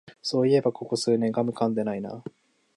そういえばここ数年ガムかんでないな